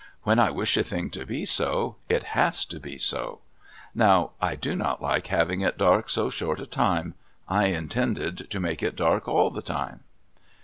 When I wish a thing to be so, it has to be so. Now, I do not like having it dark so short a time. I intended to make it dark all the time."